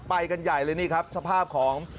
ไปกันใหญ่เลยนี่ครับสภาพของ